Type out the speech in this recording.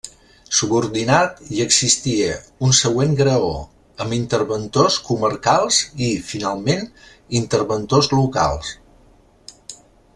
Subordinat hi existia un següent graó, amb interventors comarcals i, finalment, interventors locals.